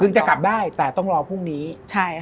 จะกลับได้แต่ต้องรอพรุ่งนี้ใช่ค่ะ